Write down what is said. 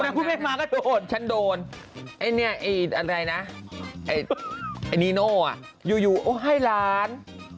คนที่พูดเพลงมาก็โดนฉันโดนไอ้เนี่ยไอ้อะไรนะไอ้นิโน่อ่ะอยู่ให้ล้าน